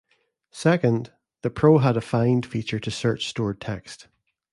Second, the Pro had a "find" feature to search stored text.